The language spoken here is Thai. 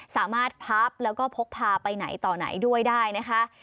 สามารถพับแล้วก็พกพาไปไหนต่อไหนด้วยได้นะคะ